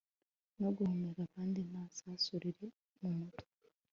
no guhumeka kandi nta sasu riri mumutwe